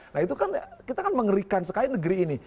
nah itu kan kita kan mengerikan sekali negeri ini